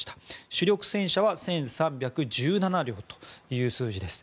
主力戦車は１３１７両という数字です。